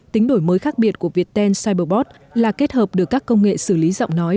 tính đổi mới khác biệt của viettel cyberbot là kết hợp được các công nghệ xử lý giọng nói